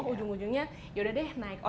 ujung ujungnya yaudah deh kita harus berusaha